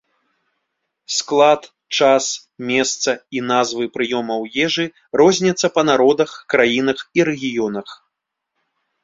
Склад, час, месца і назвы прыёмаў ежы розняцца па народах, краінах і рэгіёнах.